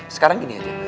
sekarang gini aja